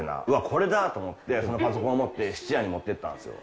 これだ！と思ってそのパソコンを持って質屋に持っていったんですよ。